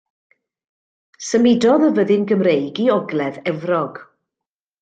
Symudodd y fyddin Gymreig i ogledd Efrog.